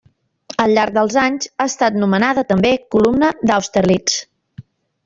Al llarg dels anys ha estat nomenada també Columna d'Austerlitz.